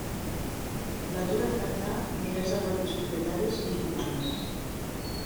L'atur afectà milers de petits propietaris i jornalers.